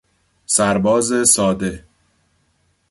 سرباز ساده